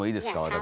私。